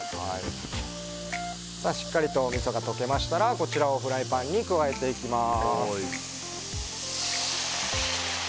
しっかりとおみそがとけましたらフライパンに加えていきます。